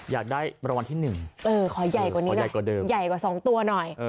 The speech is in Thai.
อยากได้ประวัติที่๑ขอใหญ่กว่าเดิมขอใหญ่กว่า๒ตัวหน่อย